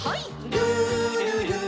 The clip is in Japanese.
「るるる」